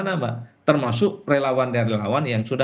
kita harus memiliki kemampuan kita